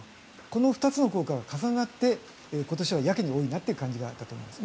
この２つの効果が重なって今年はやけに多いなという感じがあったと思います。